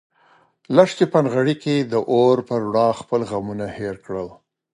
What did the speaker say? لښتې په نغري کې د اور په رڼا خپل غمونه هېر کړل.